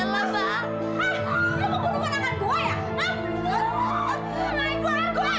lu mau bunuh kawan kawan gua ya